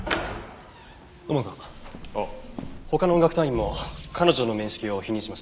他の音楽隊員も彼女の面識を否認しました。